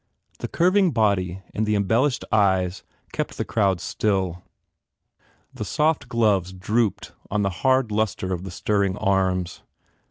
The curving body and the embellished eyes kept the crowd still. The soft gloves drooped on the hard lustre of the stirring arms.